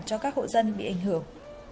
cho các hộ dân bị ảnh hưởng